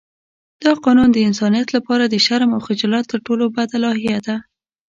دا قانون د انسانیت لپاره د شرم او خجالت تر ټولو بده لایحه ده.